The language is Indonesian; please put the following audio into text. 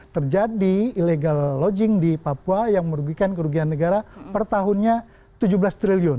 terjadi illegal launching di papua yang merugikan kerugian negara per tahunnya tujuh belas triliun